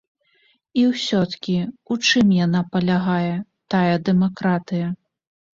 І ўсё-ткі, у чым яна палягае, тая дэмакратыя?